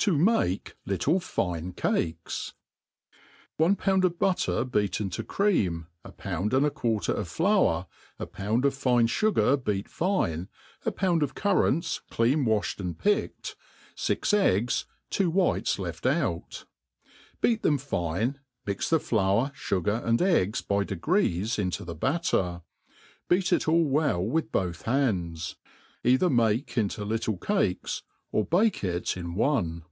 » 7i make little fine Cakes. ONE pound of butter beaten to cream, a pound and a quarter of flour, a pound of fine fugar beat fine, a pound of currants clean wafhed and picked, fix ^ggs, two whites left out ; beat them fine, mix the flour, fugar, and eggs by de grees into the batter, beat it all well with both hands ; either make into little cakes, or bake it in one.